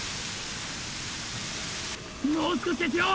もう少しですよ。